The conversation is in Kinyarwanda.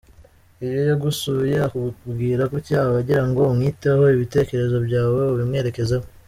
Iyo yagusuye akakubwira gutya aba agira ngo umwiteho, ibitekerezo byawe ubimwerekezeho.